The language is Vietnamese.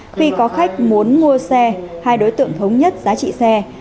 khi có khách muốn mua xe hai đối tượng thống nhất giá trị xe